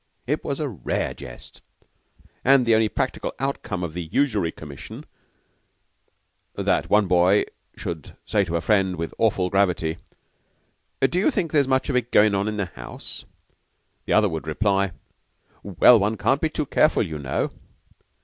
It was a rare jest, and the only practical outcome of the Usury Commission, that one boy should say to a friend, with awful gravity, "Do you think there's much of it going on in the house?" The other would reply, "Well, one can't be too careful, you know."